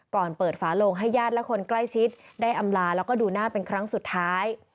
ก่อนเปิดฝาโลงให้ญาติและคนใกล้ชิดได้อำลาแล้วก็ดูหน้าเป็นครั้งสุดท้าย